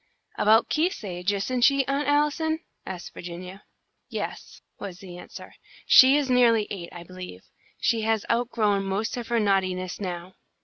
"About Keith's age, isn't she, Aunt Allison?" asked Virginia. "Yes," was the answer. "She is nearly eight, I believe. She has outgrown most of her naughtiness now."